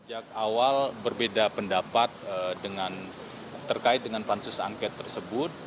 sejak awal berbeda pendapat terkait dengan pansus angket tersebut